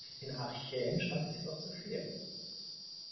In Archaeen scheint es jedoch zu fehlen.